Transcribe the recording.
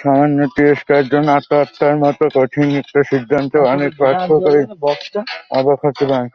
সামান্য তিরস্কারের জন্য আত্মহত্যার মতো কঠিন একটা সিদ্ধান্তে অনেক পাঠকই অবাক হতে পারেন।